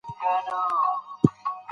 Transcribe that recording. سپورت عصبي فشار او خپګان کموي.